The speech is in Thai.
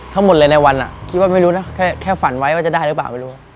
ทั้งหมดเลยในวันคิดว่าไม่รู้นะแค่ฝันไว้ว่าจะได้หรือเปล่าไม่รู้